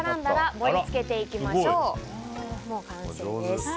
もう完成です。